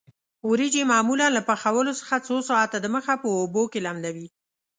وریجې معمولاً له پخولو څخه څو ساعته د مخه په اوبو کې لمدوي.